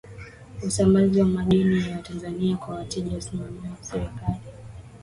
usambazaji wa madini ya tanzania kwa wateja unasimamiwa na serikali